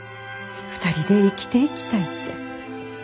２人で生きていきたいって。